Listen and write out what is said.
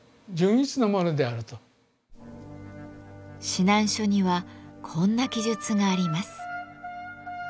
指南書にはこんな記述があります。